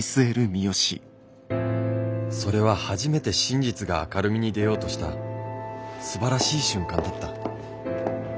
それは初めて真実が明るみに出ようとしたすばらしい瞬間だった。